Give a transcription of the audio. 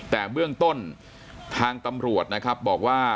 แต่เบื้องต้นทางตำรวจนะครับบอกว่า